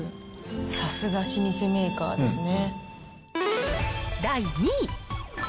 さすが老舗メーカーですね。